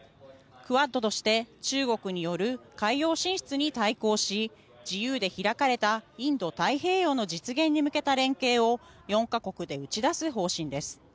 クアッドとして中国による海洋進出に対抗し自由で開かれたインド太平洋の実現に向けた連携を４か国で打ち出す方針です。